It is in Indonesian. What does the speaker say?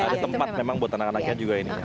ada tempat memang buat anak anaknya juga ini